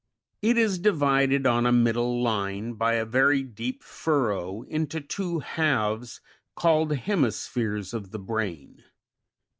It is divided on a middle line, by a very deep furrow, into two halves called hemispheres of the brain.